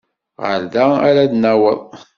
Ɣer da ara d-naweḍ.